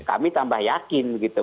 kami tambah yakin gitu